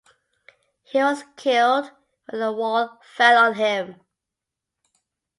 He was killed when a wall fell on him.